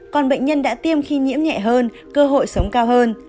còn bệnh nhân đã tiêm khi nhiễm nhẹ hơn cơ hội sống cao hơn